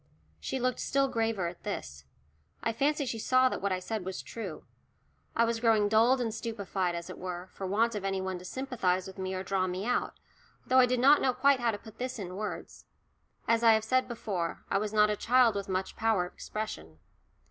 She looked still graver at this. I fancy she saw that what I said was true. I was growing dulled and stupefied, as it were, for want of any one to sympathise with me or draw me out, though I did not know quite how to put this in words. As I have said before, I was not a child with much power of expression.